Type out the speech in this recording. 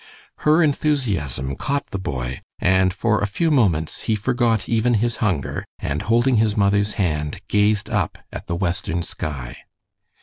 Her enthusiasm caught the boy, and for a few moment she forgot even his hunger, and holding his mother's hand, gazed up at the western sky.